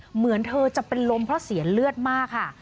เหมือนเธอจะเป็นลมเพราะเสียเลือดมากค่ะ